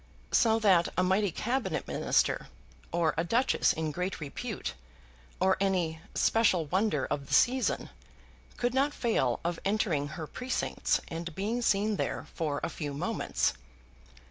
So that a mighty Cabinet Minister, or a duchess in great repute, or any special wonder of the season, could not fail of entering her precincts and being seen there for a few moments.